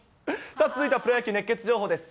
さあ、続いてはプロ野球熱ケツ情報です。